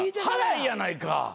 早いやないか。